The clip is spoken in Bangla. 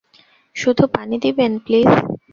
শুধু পানি দিবেন, প্লিজ।